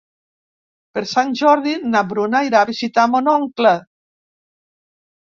Per Sant Jordi na Bruna irà a visitar mon oncle.